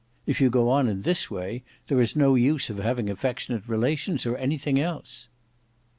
If you go on in this way, there is no use of having affectionate relations, or anything else."